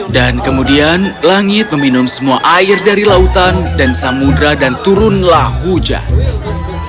dan kemudian langit meminum semua air dari lautan dan samudera dan turunlah hujan